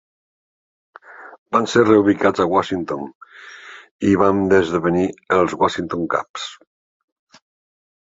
Van ser reubicats a Washington i van esdevenir els Washington Caps.